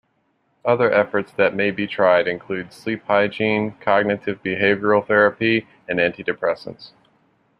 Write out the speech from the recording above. Other efforts that may be tried include sleep hygiene, cognitive behavioral therapy, and antidepressants.